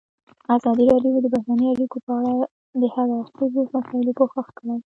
ازادي راډیو د بهرنۍ اړیکې په اړه د هر اړخیزو مسایلو پوښښ کړی.